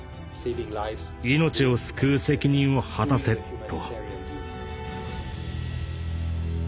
命を救う責任を果たせと。